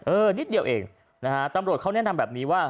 นิดเดียวเองนะฮะตำรวจเขาแนะนำแบบนี้ว่า